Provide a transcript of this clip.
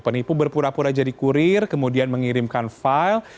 penipu berpura pura jadi kurir kemudian mengirimkan file